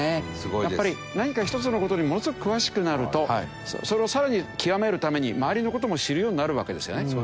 やっぱり何か一つの事にものすごく詳しくなるとそれをさらにきわめるために周りの事も知るようになるわけですよね。